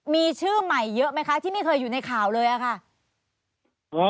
มีชื่อใหม่เยอะไหมคะที่ไม่เคยอยู่ในข่าวเลยอะค่ะ